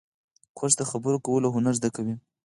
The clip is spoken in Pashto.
کورس د خبرو کولو هنر زده کوي.